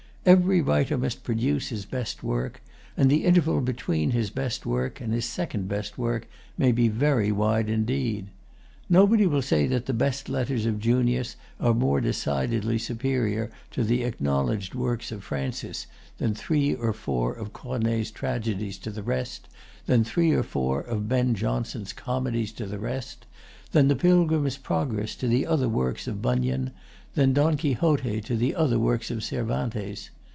Every writer must produce his best work; and the interval between his best work and his second best work may be very wide indeed. Nobody will say that the best letters of Junius are more decidedly superior to the acknowledged works of Francis than three or four of Corneille's tragedies to the rest, than three or four of Ben Jonson's comedies to the rest, than the Pilgrim's Progress to the other works of Bunyan, than Don Quixote to the other works of Cervantes.